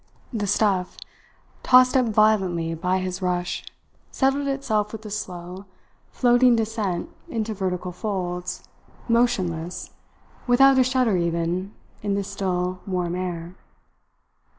The stuff, tossed up violently by his rush, settled itself with a slow, floating descent into vertical folds, motionless, without a shudder even, in the still, warm air.